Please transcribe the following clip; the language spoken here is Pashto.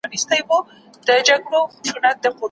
نه خو سل کلنه ده او نه زرکلنۍ